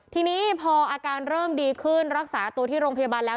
ทีนี้พออาการเริ่มดีขึ้นรักษาตัวที่โรงพยาบาลแล้ว